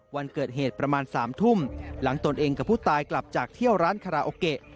วันเกิดเหตุประมาณ๓ทุ่มหลังตนเองกับผู้ตายกลับจากเที่ยวร้านคาราโอเกะ